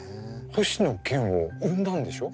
星野源を生んだんでしょ？